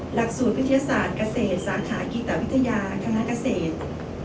หลักสูตรวิทยาศาสตร์เกษตรสาขากิตวิทยาคณะเกษตร